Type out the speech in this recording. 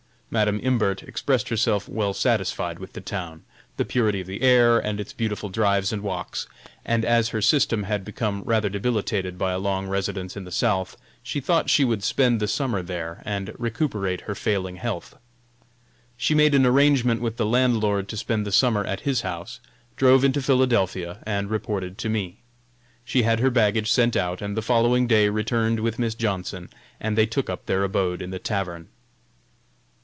Madam Imbert expressed herself well satisfied with the town, the purity of the air, and its beautiful drives and walks; and as her system had become rather debilitated by a long residence in the South, she thought she would spend the summer there and recuperate her failing health. She made an arrangement with the landlord to spend the summer at his house, drove into Philadelphia and reported to me. She had her baggage sent out, and the following day returned with Miss Johnson and they took up their abode in the tavern.